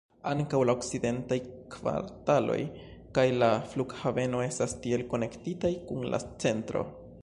Ankaŭ la okcidentaj kvartaloj kaj la flughaveno estas tiel konektitaj kun la centro.